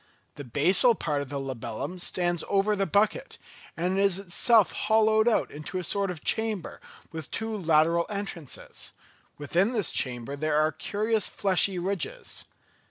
The basal part of the labellum stands over the bucket, and is itself hollowed out into a sort of chamber with two lateral entrances; within this chamber there are curious fleshy ridges.